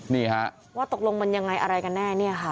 นี่ฮะว่าตกลงมันยังไงอะไรกันแน่เนี่ยค่ะ